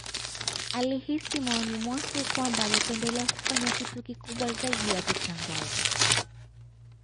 Alihisi moyoni mwake kwamba alipendelea kufanya kitu kikubwa zaidi ya kutangaza